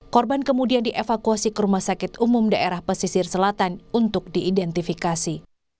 korban kemudian dievakuasi ke rumah sakit umum daerah pesisir selatan untuk diidentifikasi